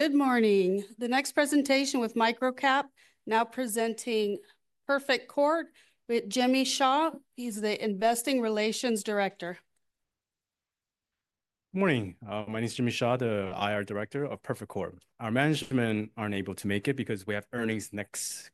Good morning. The next presentation with MicroCap, now presenting Perfect Corp. with Jimmy Xia. He is the Investor Relations Director. Good morning. My name is Jimmy Xia, the IR Director of Perfect Corp. Our management aren't able to make it because we have earnings next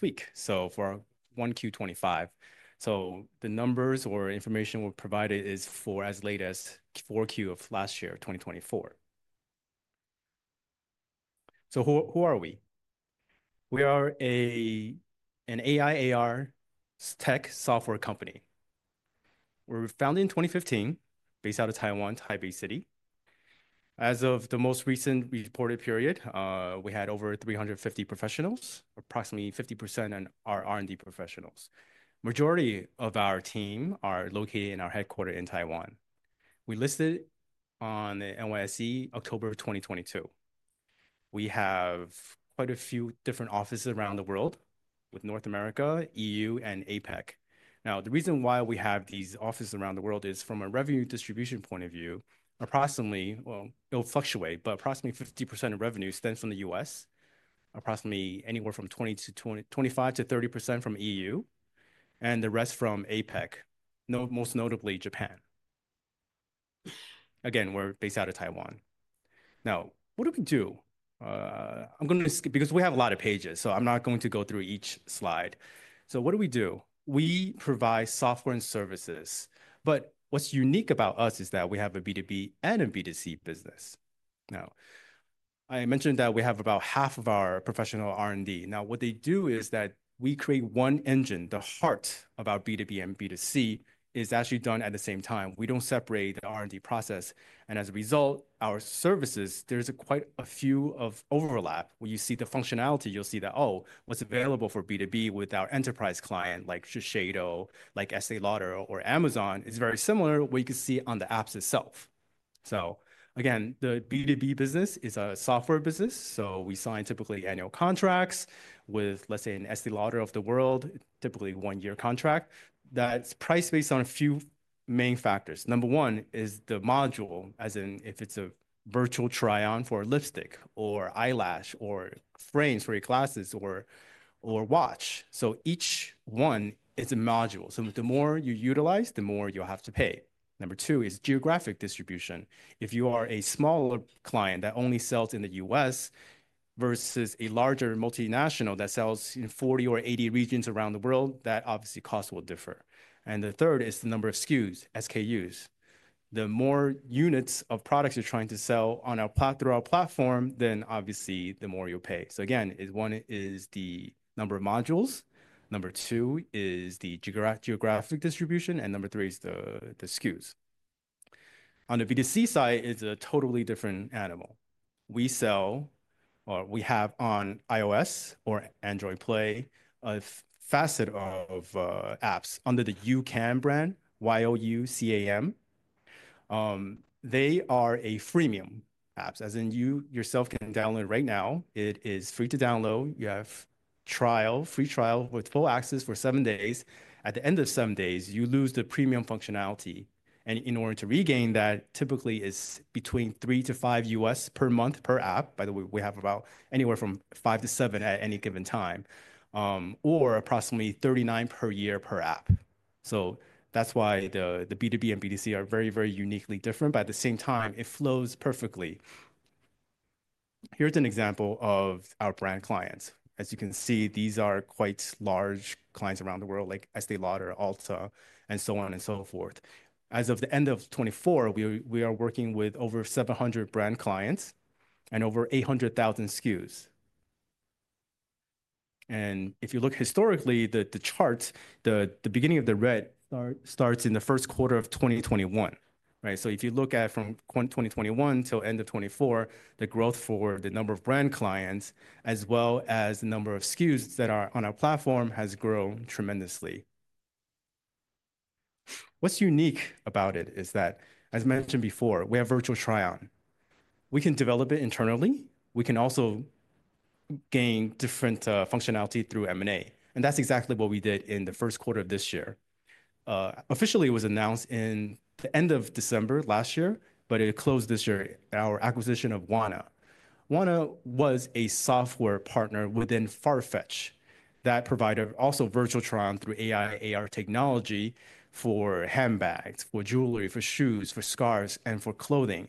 week, for 1Q 2025. The numbers or information we're providing is for as late as Q4 of last year, 2024. Who are we? We are an AI/AR tech software company. We were founded in 2015, based out of Taiwan, Taipei City. As of the most recent reported period, we had over 350 professionals, approximately 50% are R&D professionals. The majority of our team are located in our headquarters in Taiwan. We listed on the NYSE October 2022. We have quite a few different offices around the world, with North America, EU, and APEC. Now, the reason why we have these offices around the world is from a revenue distribution point of view, approximately, it will fluctuate, but approximately 50% of revenue stems from the U.S., approximately anywhere from 25-30% from EU, and the rest from APEC, most notably Japan. Again, we are based out of Taiwan. Now, what do we do? I am going to skip because we have a lot of pages, so I am not going to go through each slide. What do we do? We provide software and services. What is unique about us is that we have a B2B and a B2C business. I mentioned that we have about half of our professional R&D. What they do is that we create one engine. The heart of our B2B and B2C is actually done at the same time. We do not separate the R&D process. As a result, our services, there's quite a few of overlap. When you see the functionality, you'll see that, oh, what's available for B2B with our enterprise client, like Shiseido, like Estée Lauder, or Amazon, is very similar to what you can see on the apps itself. Again, the B2B business is a software business. We sign typically annual contracts with, let's say, an Estée Lauder of the world, typically one-year contract. That's priced based on a few main factors. Number one is the module, as in if it's a virtual try-on for a lipstick or eyelash or frames for your glasses or watch. Each one is a module. The more you utilize, the more you'll have to pay. Number two is geographic distribution. If you are a smaller client that only sells in the U.S. versus a larger multinational that sells in 40 or 80 regions around the world, that obviously cost will differ. The third is the number of SKUs, SKUs. The more units of products you're trying to sell through our platform, then obviously the more you'll pay. Again, one is the number of modules. Number two is the geographic distribution, and number three is the SKUs. On the B2C side, it's a totally different animal. We sell, or we have on iOS or Android Play, a facet of apps under the YouCam brand, Y-O-U-C-A-M. They are freemium apps, as in you yourself can download right now. It is free to download. You have a free trial with full access for seven days. At the end of seven days, you lose the premium functionality. In order to regain that, typically it is between $3-$5 per month per app. By the way, we have about anywhere from five to seven at any given time, or approximately $39 per year per app. That is why the B2B and B2C are very, very uniquely different, but at the same time, it flows perfectly. Here is an example of our brand clients. As you can see, these are quite large clients around the world, like Estée Lauder, Ulta, and so on and so forth. As of the end of 2024, we are working with over 700 brand clients and over 800,000 SKUs. If you look historically, the chart, the beginning of the red starts in the first quarter of 2021, right? If you look at from 2021 to the end of 2024, the growth for the number of brand clients, as well as the number of SKUs that are on our platform, has grown tremendously. What's unique about it is that, as mentioned before, we have virtual try-on. We can develop it internally. We can also gain different functionality through M&A. That's exactly what we did in the first quarter of this year. Officially, it was announced at the end of December last year, but it closed this year, our acquisition of WANNA. WANNA was a software partner within FARFETCH that provided also virtual try-on through AI/AR technology for handbags, for jewelry, for shoes, for scarves, and for clothing.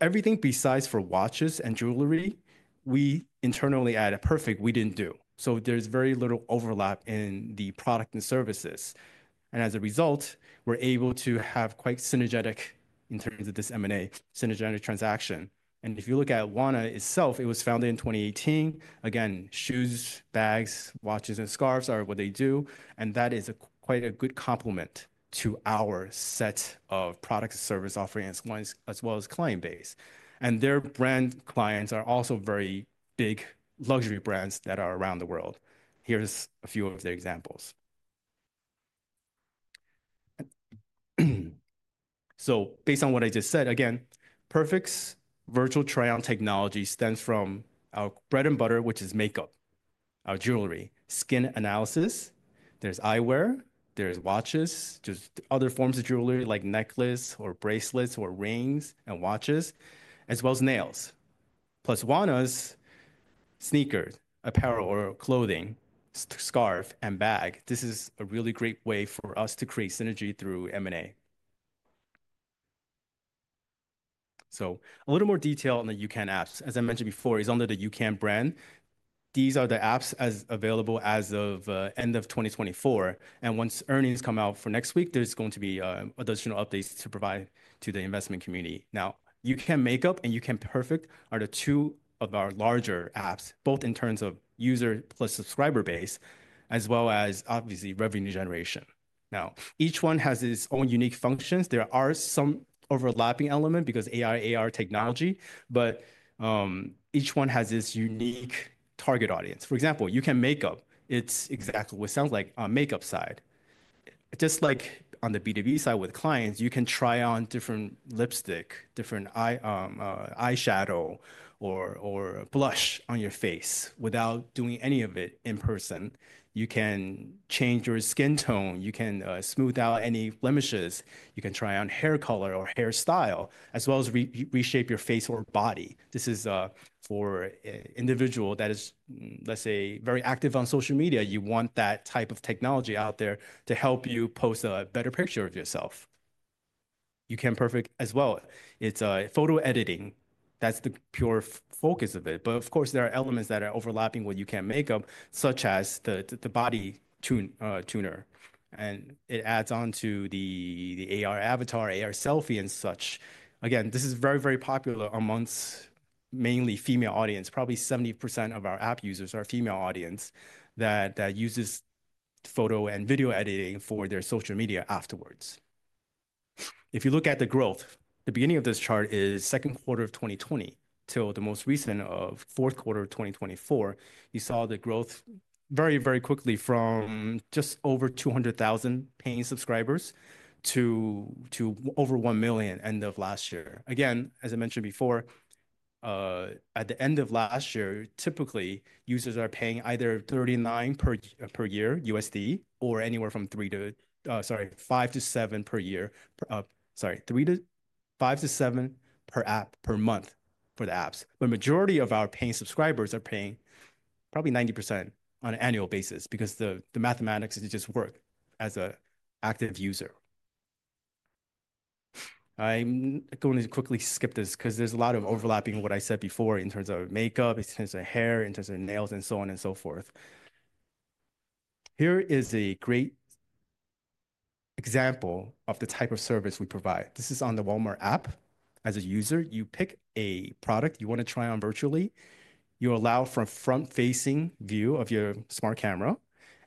Everything besides watches and jewelry, we internally at Perfect, we did not do. There is very little overlap in the product and services. As a result, we're able to have quite synergetic in terms of this M&A, synergetic transaction. If you look at WANNA itself, it was founded in 2018. Again, shoes, bags, watches, and scarves are what they do. That is quite a good complement to our set of products and service offerings, as well as client base. Their brand clients are also very big luxury brands that are around the world. Here's a few of the examples. Based on what I just said, again, Perfect's virtual try-on technology stems from our bread and butter, which is makeup, our jewelry, skin analysis. There's eyewear, there's watches, just other forms of jewelry, like necklace or bracelets or rings and watches, as well as nails. Plus WANNA's sneakers, apparel or clothing, scarf, and bag. This is a really great way for us to create synergy through M&A. A little more detail on the YouCam apps. As I mentioned before, it's under the YouCam brand. These are the apps as available as of the end of 2024. Once earnings come out for next week, there's going to be additional updates to provide to the investment community. Now, YouCam Makeup and YouCam Perfect are two of our larger apps, both in terms of user plus subscriber base, as well as obviously revenue generation. Now, each one has its own unique functions. There are some overlapping elements because of AI/AR technology, but each one has its unique target audience. For example, YouCam Makeup, it's exactly what it sounds like, a makeup side. Just like on the B2B side with clients, you can try on different lipstick, different eyeshadow, or blush on your face without doing any of it in person. You can change your skin tone. You can smooth out any blemishes. You can try on hair color or hairstyle, as well as reshape your face or body. This is for an individual that is, let's say, very active on social media. You want that type of technology out there to help you post a better picture of yourself. YouCam Perfect as well. It's photo editing. That's the pure focus of it. Of course, there are elements that are overlapping with YouCam Makeup, such as the body tuner. It adds on to the AR avatar, AR selfie, and such. Again, this is very, very popular amongst mainly female audience. Probably 70% of our app users are female audience that uses photo and video editing for their social media afterwards. If you look at the growth, the beginning of this chart is second quarter of 2020 till the most recent of fourth quarter of 2024. You saw the growth very, very quickly from just over 200,000 paying subscribers to over 1 million end of last year. Again, as I mentioned before, at the end of last year, typically users are paying either $39 per year or anywhere from $5-$7 per app per month for the apps. The majority of our paying subscribers are paying probably 90% on an annual basis because the mathematics just work as an active user. I'm going to quickly skip this because there's a lot of overlapping what I said before in terms of makeup, in terms of hair, in terms of nails, and so on and so forth. Here is a great example of the type of service we provide. This is on the Walmart app. As a user, you pick a product you want to try on virtually. You're allowed for a front-facing view of your smart camera.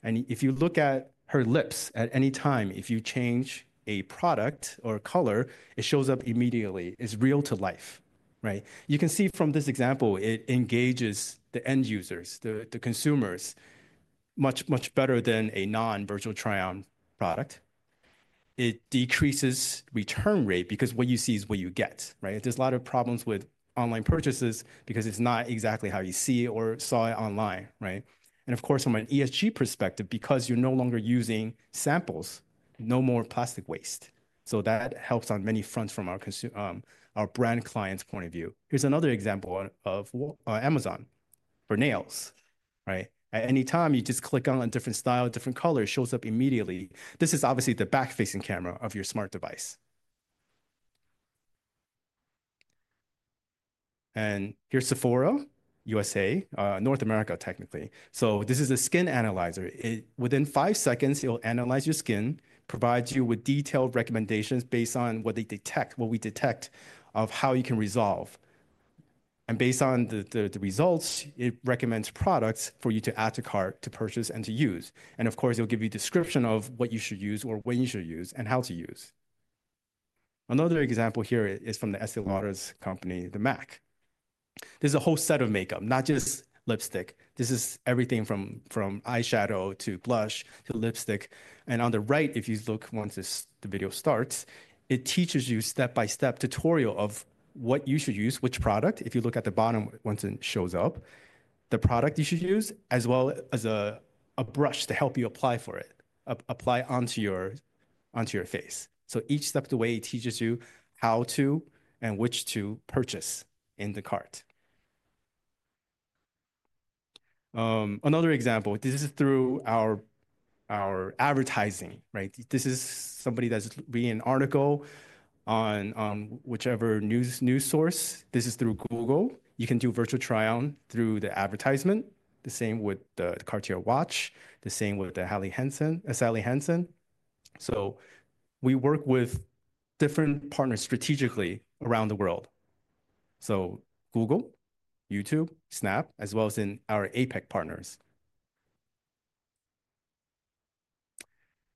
If you look at her lips at any time, if you change a product or a color, it shows up immediately. It's real to life, right? You can see from this example, it engages the end users, the consumers, much, much better than a non-virtual try-on product. It decreases return rate because what you see is what you get, right? There's a lot of problems with online purchases because it's not exactly how you see or saw it online, right? Of course, from an ESG perspective, because you're no longer using samples, no more plastic waste. That helps on many fronts from our brand client's point of view. Here's another example of Amazon for nails, right? At any time, you just click on a different style, different color, it shows up immediately. This is obviously the back-facing camera of your smart device. Here is Sephora USA, North America technically. This is a skin analyzer. Within five seconds, it will analyze your skin, provides you with detailed recommendations based on what they detect, what we detect of how you can resolve. Based on the results, it recommends products for you to add to cart to purchase and to use. It will give you a description of what you should use or when you should use and how to use. Another example here is from the Estée Lauder company, the MAC. There is a whole set of makeup, not just lipstick. This is everything from eyeshadow to blush to lipstick. On the right, if you look once the video starts, it teaches you step-by-step tutorial of what you should use, which product. If you look at the bottom, once it shows up, the product you should use, as well as a brush to help you apply for it, apply onto your face. Each step of the way teaches you how to and which to purchase in the cart. Another example, this is through our advertising, right? This is somebody that's reading an article on whichever news source. This is through Google. You can do virtual try-on through the advertisement. The same with the Cartier watch, the same with the Sally Hansen. We work with different partners strategically around the world. Google, YouTube, Snap, as well as in our APEC partners.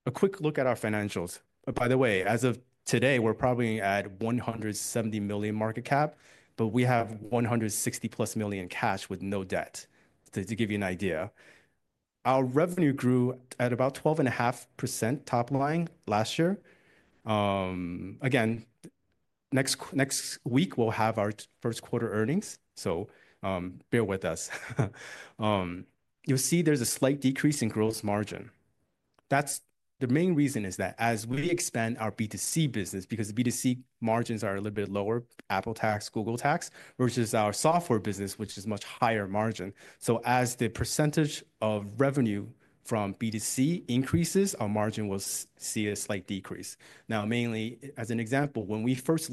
A quick look at our financials. By the way, as of today, we're probably at $170 million market cap, but we have $160 million plus cash with no debt, to give you an idea. Our revenue grew at about 12.5% top line last year. Again, next week, we'll have our first quarter earnings. Bear with us. You'll see there's a slight decrease in gross margin. The main reason is that as we expand our B2C business, because B2C margins are a little bit lower, Apple tax, Google tax, versus our software business, which is much higher margin. As the percentage of revenue from B2C increases, our margin will see a slight decrease. Mainly, as an example, when we first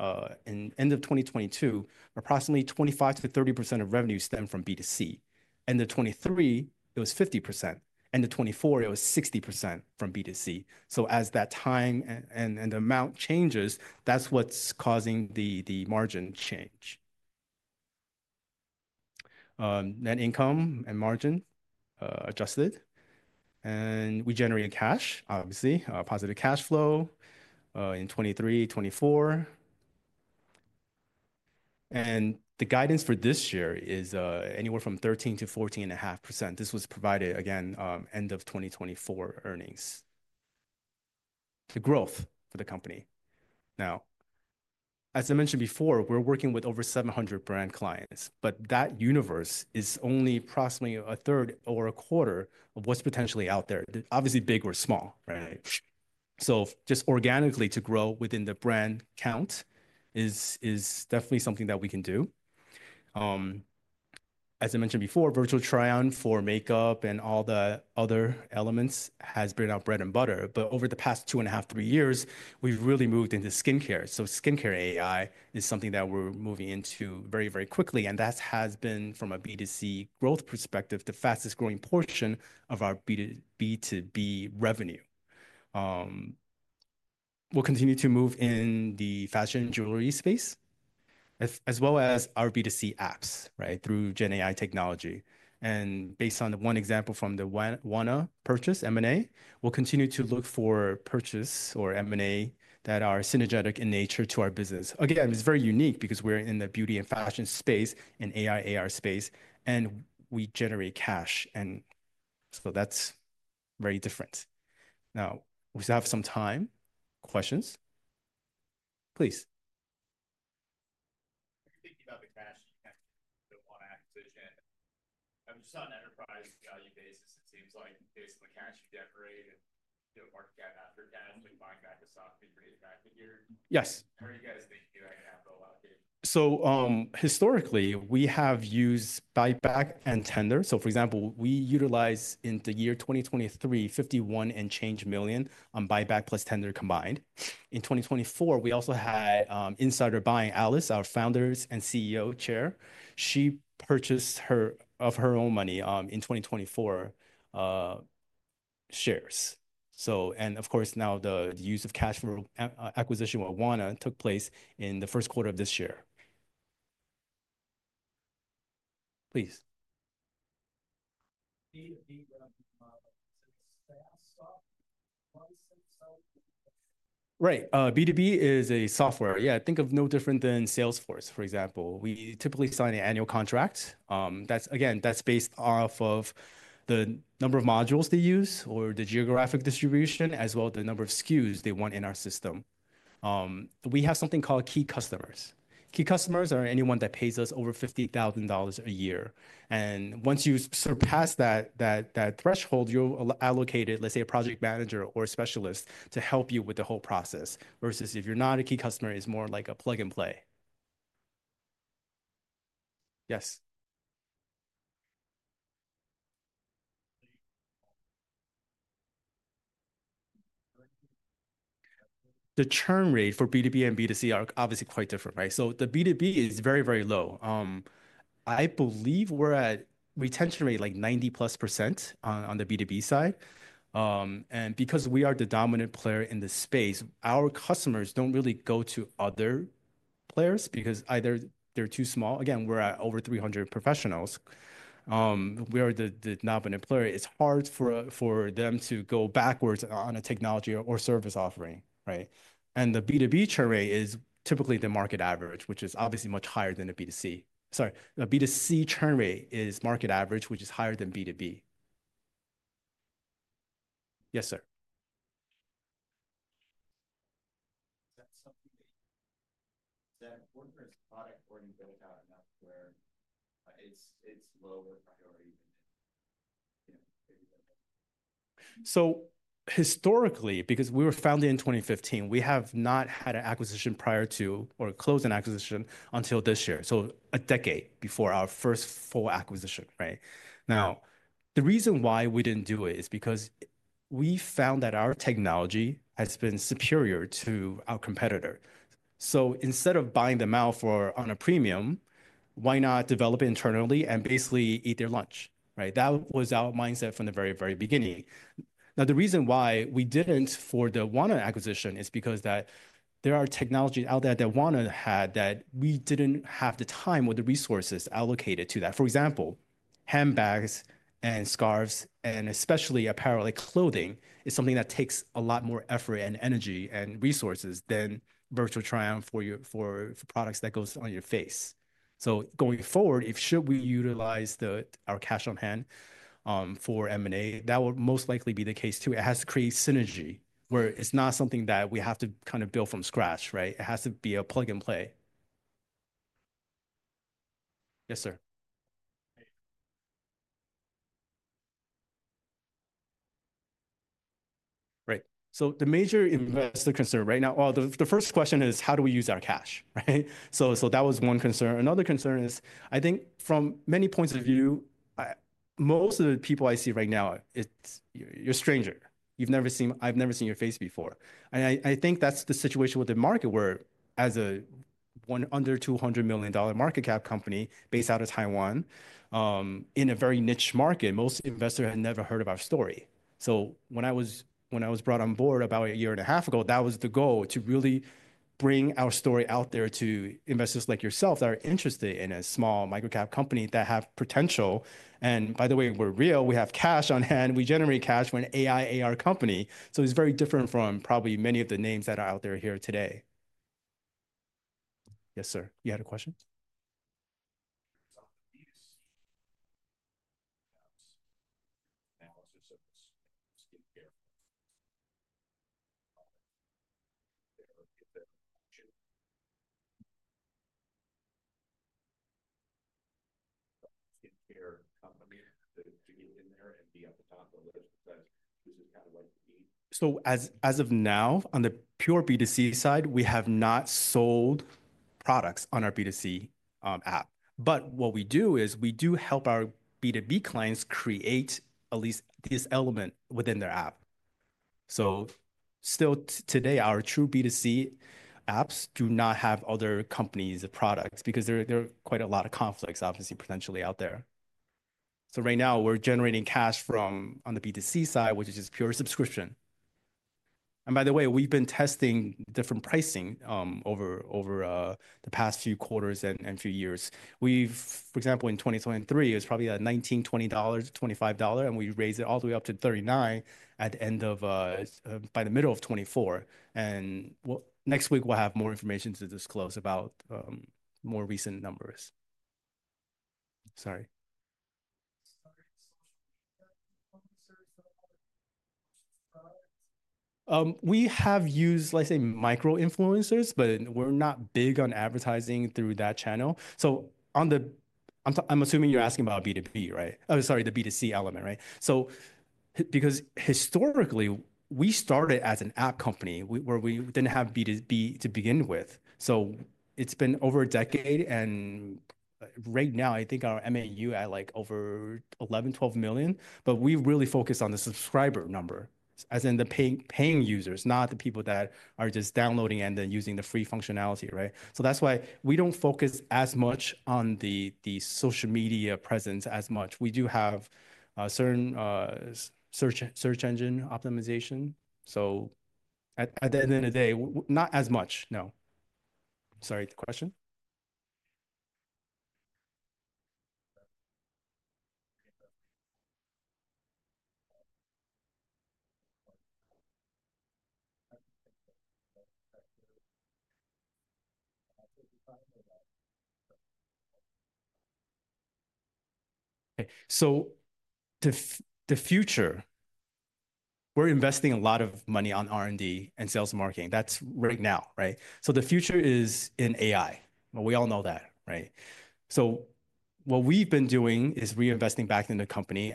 listed in the end of 2022, approximately 25%-30% of revenue stemmed from B2C. End of 2023, it was 50%. End of 2024, it was 60% from B2C. As that time and the amount changes, that's what's causing the margin change. Net income and margin adjusted. We generate cash, obviously, positive cash flow in 2023, 2024. The guidance for this year is anywhere from 13%-14.5%. This was provided, again, end of 2024 earnings. The growth for the company. Now, as I mentioned before, we're working with over 700 brand clients, but that universe is only approximately a third or a quarter of what's potentially out there, obviously big or small, right? Just organically to grow within the brand count is definitely something that we can do. As I mentioned before, virtual try-on for makeup and all the other elements has been our bread and butter. Over the past two and a half, three years, we've really moved into skincare. Skincare AI is something that we're moving into very, very quickly. That has been, from a B2C growth perspective, the fastest growing portion of our B2B revenue. We will continue to move in the fashion jewelry space, as well as our B2C apps, right, through GenAI technology. Based on the one example from the WANNA purchase, M&A, we will continue to look for purchase or M&A that are synergetic in nature to our business. It is very unique because we are in the beauty and fashion space and AI/AR space, and we generate cash. That is very different. We still have some time. Questions? Please. Thinking about the cash, the WANNA acquisition, I am just on an enterprise value basis, it seems like based on the cash you generate and do a market cap after cap, like buying back the stock, being really attractive here. Yes. How are you guys thinking about that? Historically, we have used buyback and tender. For example, we utilized in the year 2023, $51 million and change on buyback plus tender combined. In 2024, we also had insider buying. Alice, our Founder and CEO Chair, she purchased her own money in 2024 shares. Of course, now the use of cash for acquisition with WANNA took place in the first quarter of this year. Please. Right. B2B is a software. I think of no different than Salesforce, for example. We typically sign an annual contract. That's, again, that's based off of the number of modules they use or the geographic distribution, as well as the number of SKUs they want in our system. We have something called key customers. Key customers are anyone that pays us over $50,000 a year. Once you surpass that threshold, you'll allocate it, let's say, a project manager or a specialist to help you with the whole process. Versus if you're not a key customer, it's more like a plug and play. Yes. The churn rate for B2B and B2C are obviously quite different, right? The B2B is very, very low. I believe we're at retention rate like 90+% on the B2B side. Because we are the dominant player in the space, our customers don't really go to other players because either they're too small. Again, we're at over 300 professionals. We are the dominant player. It's hard for them to go backwards on a technology or service offering, right? The B2B churn rate is typically the market average, which is obviously much higher than the B2C. Sorry, the B2C churn rate is market average, which is higher than B2B. Yes, sir. Is that important or is the product already built out enough where it's lower priority? Historically, because we were founded in 2015, we have not had an acquisition prior to or closed an acquisition until this year, so a decade before our first full acquisition, right? The reason why we didn't do it is because we found that our technology has been superior to our competitor. Instead of buying them out for on a premium, why not develop it internally and basically eat their lunch, right? That was our mindset from the very, very beginning. The reason why we didn't for the WANNA acquisition is because there are technologies out there that WANNA had that we didn't have the time or the resources allocated to that. For example, handbags and scarves, and especially apparel like clothing, is something that takes a lot more effort and energy and resources than virtual try-on for products that goes on your face. Going forward, if we should utilize our cash on hand for M&A, that will most likely be the case too. It has to create synergy where it's not something that we have to kind of build from scratch, right? It has to be a plug and play. Yes, sir. Right. The major investor concern right now, the first question is, how do we use our cash, right? That was one concern. Another concern is, I think from many points of view, most of the people I see right now, you're a stranger. You've never seen, I've never seen your face before. I think that's the situation with the market where as a one under $200 million market cap company based out of Taiwan in a very niche market, most investors had never heard of our story. When I was brought on board about a year and a half ago, that was the goal to really bring our story out there to investors like yourself that are interested in a small microcap company that have potential. By the way, we're real. We have cash on hand. We generate cash for an AI/AR company. It's very different from probably many of the names that are out there here today. Yes, sir. You had a question? Skincare company to get in there and be at the top of the list because this is kind of like the. As of now, on the pure B2C side, we have not sold products on our B2C app. What we do is we do help our B2B clients create at least this element within their app. Still today, our true B2C apps do not have other companies' products because there are quite a lot of conflicts, obviously, potentially out there. Right now, we're generating cash from on the B2C side, which is just pure subscription. By the way, we've been testing different pricing over the past few quarters and few years. For example, in 2023, it was probably at $19, $20, $25, and we raised it all the way up to $39 at the end of, by the middle of 2024. Next week, we'll have more information to disclose about more recent numbers. Sorry. We have used, let's say, micro influencers, but we're not big on advertising through that channel. On the, I'm assuming you're asking about B2B, right? Oh, sorry, the B2C element, right? Because historically, we started as an app company where we didn't have B2B to begin with. It's been over a decade. Right now, I think our MAU at like over 11, 12 million, but we really focus on the subscriber number, as in the paying users, not the people that are just downloading and then using the free functionality, right? That's why we don't focus as much on the social media presence as much. We do have certain search engine optimization. At the end of the day, not as much, no. Sorry, question? Okay. The future, we're investing a lot of money on R&D and sales and marketing. That's right now, right? The future is in AI. We all know that, right? What we've been doing is reinvesting back into the company.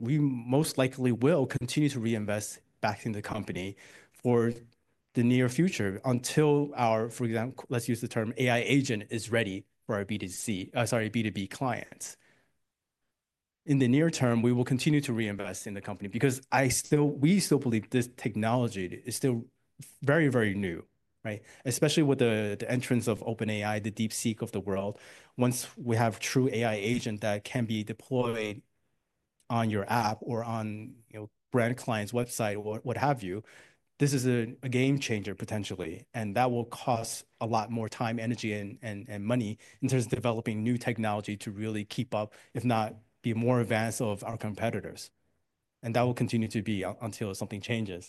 We most likely will continue to reinvest back into the company for the near future until our, for example, let's use the term AI agent, is ready for our B2C, sorry, B2B clients. In the near term, we will continue to reinvest in the company because we still believe this technology is still very, very new, right? Especially with the entrance of OpenAI, the DeepSeek of the world. Once we have a true AI agent that can be deployed on your app or on brand client's website or what have you, this is a game changer potentially. That will cost a lot more time, energy, and money in terms of developing new technology to really keep up, if not be more advanced of our competitors. That will continue to be until something changes.